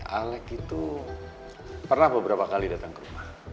alec itu pernah beberapa kali datang ke rumah